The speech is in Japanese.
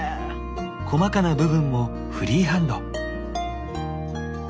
細かな部分もフリーハンド。